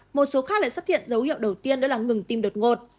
một số khác lại xuất hiện dấu hiệu đầu tiên đó là ngừng tim đột ngột